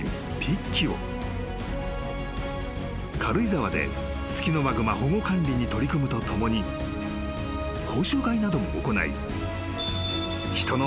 ［軽井沢でツキノワグマ保護管理に取り組むとともに講習会なども行い］